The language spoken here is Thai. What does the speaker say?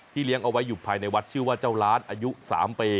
เลี้ยงเอาไว้อยู่ภายในวัดชื่อว่าเจ้าล้านอายุ๓ปี